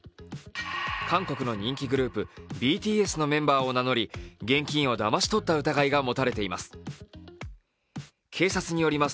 韓国の人気グループ・ＢＴＳのメンバーを名乗り現金をだまし取った疑いが持たれています。